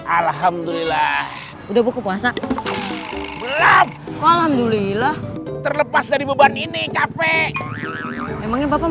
alhamdulillah udah buku puasa gelap alhamdulillah terlepas dari beban ini capek emangnya bapak